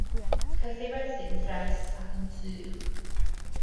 Caiff ei werthu'n ffres ac yn sych.